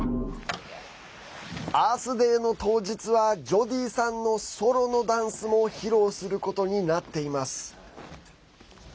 アースデイの当日はジョディーさんのソロのダンスも披露することになっています。